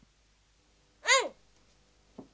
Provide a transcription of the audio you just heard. うん！